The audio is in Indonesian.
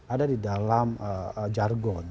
ada di dalam jargon